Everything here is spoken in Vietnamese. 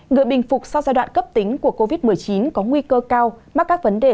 người bình phục sau giai đoạn cấp tính của covid một mươi chín có nguy cơ cao mắc các vấn đề